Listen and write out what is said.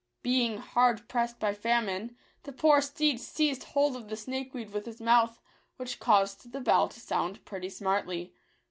Being hard pressed by famine, the poor steed seized hold of the snakeweed with his mouth, which caused the bell to sound pretty smartly.